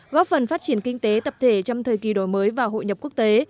góp phần phát triển kinh tế tập thể trong thời kỳ đổi mới và hội nhập quốc tế